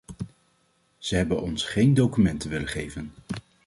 Ze hebben ons geen documenten willen geven.